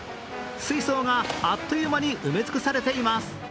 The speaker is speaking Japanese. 水槽があっという間に埋め尽くされています。